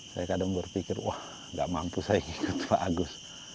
saya kadang berpikir wah gak mampu saya ikut pak agus